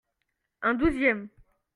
Un douzième.